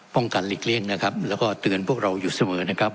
กันหลีกเลี่ยงนะครับแล้วก็เตือนพวกเราอยู่เสมอนะครับ